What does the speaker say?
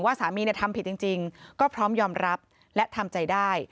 สามีทำผิดจริงก็พร้อมยอมรับและทำใจได้